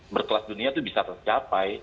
berkelas dunia itu bisa tercapai